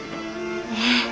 ええ。